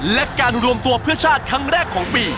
และการรวมตัวเพื่อชาติครั้งแรกของปี